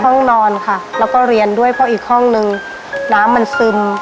ห้องนอนค่ะแล้วก็เรียนด้วยเพราะอีกห้องนึงน้ำมันซึม